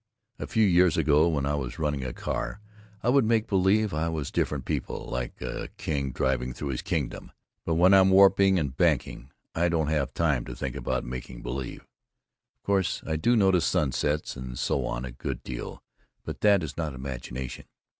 A few years ago when I was running a car I would make believe I was different people, like a king driving through his kingdom, but when I'm warping and banking I don't have time to think about making believe. Of course I do notice sunsets and so on a good deal but that is not imagination.